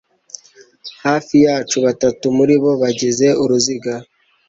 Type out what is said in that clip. hafi yacu batatu muri bo bagize uruziga